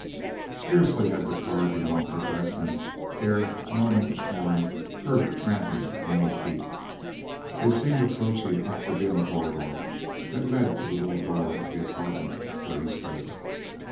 Scarcely had Bertrade de Montfort left him ere Norman of Torn heard the tramping of many feet. They seemed approaching up the dim corridor that led to the little door of the apartment where he stood.